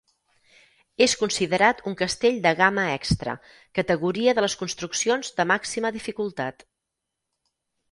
És considerat un castell de gamma extra, categoria de les construccions de màxima dificultat.